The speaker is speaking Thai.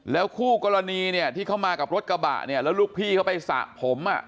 คู่กรณีเนี่ยที่เข้ามากับรถกระบะเนี่ยแล้วลูกพี่เขาไปสระผมอ่ะ